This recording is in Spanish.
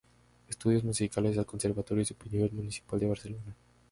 Estudios musicales al Conservatorio Superior Municipal de Barcelona.